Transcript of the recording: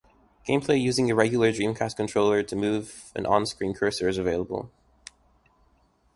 Gameplay using a regular Dreamcast controller to move an on-screen cursor is available.